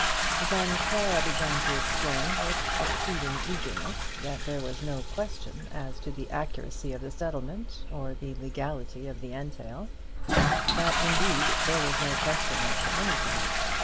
Then Clara began to explain with exceeding eagerness that there was no question as to the accuracy of the settlement, or the legality of the entail; that indeed there was no question as to anything.